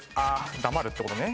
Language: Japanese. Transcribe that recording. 黙るってことね。